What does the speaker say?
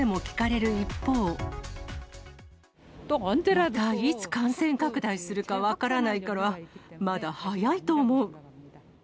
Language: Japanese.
また、いつ感染拡大するか分からないから、まだ早いと思う。